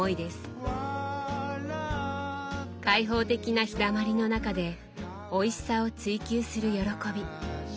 開放的な日だまりの中でおいしさを追求する喜び。